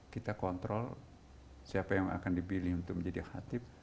kita kontrol siapa yang akan dipilih untuk menjadi khatib